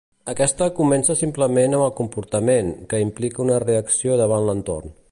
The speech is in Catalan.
Aquesta comença simplement amb el comportament, que implica una reacció davant l'entorn.